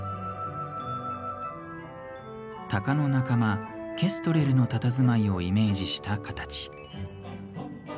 タカの仲間、ケストレルのたたずまいをイメージした形。